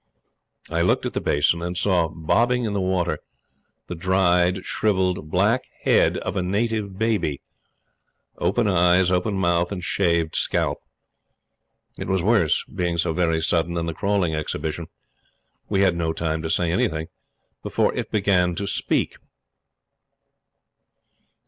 I looked at the basin, and saw, bobbing in the water, the dried, shrivelled, black head of a native baby open eyes, open mouth and shaved scalp. It was worse, being so very sudden, than the crawling exhibition. We had no time to say anything before it began to speak.